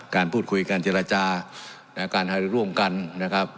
การพูดคุยการเจรจาการร่วมกันนะครับ